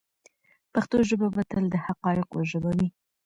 پښتو ژبه به تل د حقایقو ژبه وي.